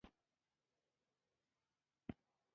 جالبه دا وه چې د غار پر لیدلو ټیکټ نه دی لګېدلی.